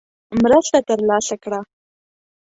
مرسته ترلاسه کړه.